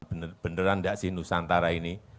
benar benar enggak sih nusantara ini